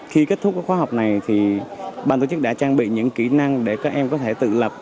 khi kết thúc khóa học này thì ban tổ chức đã trang bị những kỹ năng để các em có thể tự lập